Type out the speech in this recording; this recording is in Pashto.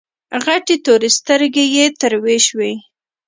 غټې تورې سترګې يې تروې شوې.